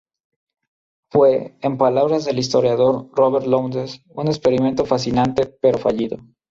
Fue, en palabras del historiador Robert Lowndes, un "experimento fascinante", pero fallido.